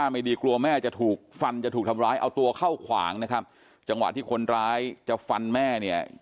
ไม่ดีกลัวแม่จะถูกฟันจะถูกทำร้ายเอาตัวเข้าขวางนะครับจังหวะที่คนร้ายจะฟันแม่เนี่ย